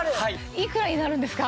いくらになるんですか？